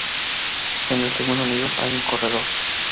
En el segundo nivel hay un corredor.